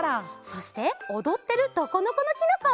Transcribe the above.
そしておどってる「ドコノコノキノコ」！